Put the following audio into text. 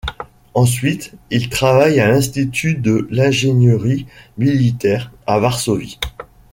Ensuite il travaille à l'Institut de l'Ingénierie militaire à Varsovie.